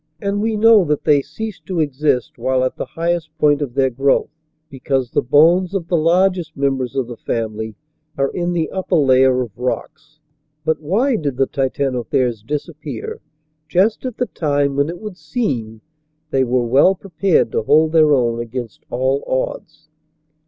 And we know that they ceased to exist while at the highest point of their growth, because the bones of the largest members of the family are in the upper layer of rocks. But why did the Titanotheres disappear just at the time when it would seem they were well prepared to hold their own against all odds?